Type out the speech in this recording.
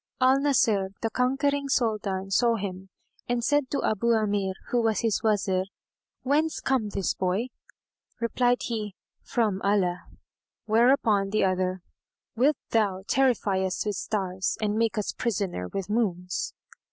Al Nasir the conquering Soldan saw him and said to Abu Amir, who was his Wazir, "Whence cometh this boy?" Replied he, "From Allah;" whereupon the other, "Wilt thou terrify us with stars and make us prisoner with moons?"